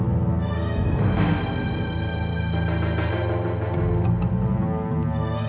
aku akan menang